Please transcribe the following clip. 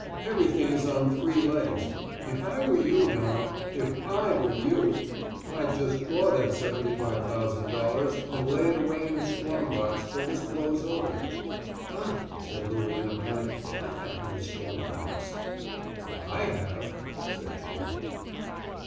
Everything is on three legs. If I were you, now; if I were you, I'd just draw that seventy five thousand dollars and lay it away in a strong box till this blows over." "But," said Louis, in a panic, "I have no strong box." "But I have," said Jacques.